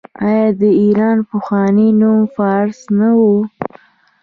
آیا د ایران پخوانی نوم فارس نه و؟